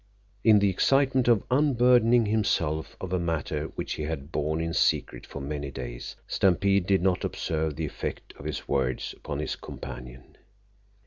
In the excitement of unburdening himself of a matter which he had borne in secret for many days, Stampede did not observe the effect of his words upon his companion.